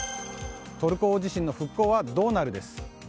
トルコ大地震の復興はどうなる？です。